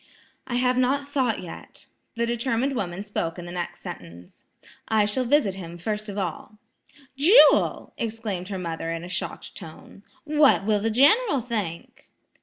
"I have not thought yet." The determined woman spoke in the next sentence, "I shall visit him first of all." "Jewel!" exclaimed her mother in a shocked tone. "What will the General think?"